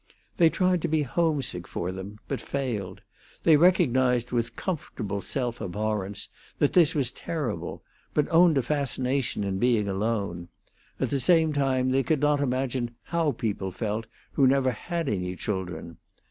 They tried to be homesick for them, but failed; they recognized with comfortable self abhorrence that this was terrible, but owned a fascination in being alone; at the same time, they could not imagine how people felt who never had any children.